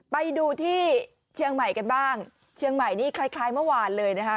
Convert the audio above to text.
ไปดูที่เชียงใหม่กันบ้างเชียงใหม่นี่คล้ายคล้ายเมื่อวานเลยนะคะ